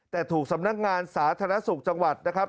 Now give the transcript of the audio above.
แต่ถูกสำนักงานสาธารณสุขจังหวัดนะครับ